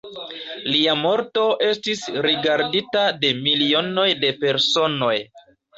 Lia morto estis rigardita de milionoj de personoj.